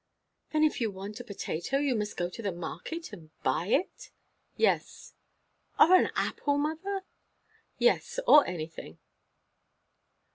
"Then if you want a potato, you must go to the market and buy it?" "Yes." "Or an apple, mother?" "Yes, or anything."